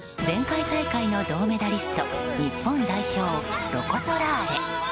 前回大会の銅メダリスト日本代表、ロコ・ソラーレ。